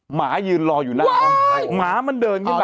หมายืนรออยู่หน้าห้องหมามันเดินขึ้นมา